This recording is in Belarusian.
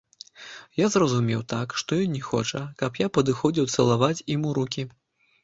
Я зразумеў так, што ён не хоча, каб я падыходзіў цалаваць ім у рукі.